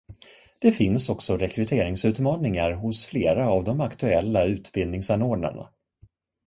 Det finns också rekryteringsutmaningar hos flera av de aktuella utbildningsanordnarna.